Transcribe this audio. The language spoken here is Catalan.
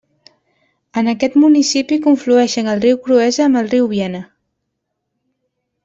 En aquest municipi conflueixen el riu Cruesa amb el riu Viena.